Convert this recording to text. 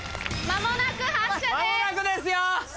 間もなくですよ！